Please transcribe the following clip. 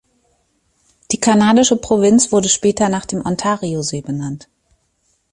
Die kanadische Provinz wurde später nach dem Ontariosee benannt.